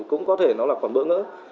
cũng có thể nó là quả mỡ ngỡ